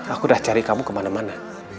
aku udah cari kamu kemana mana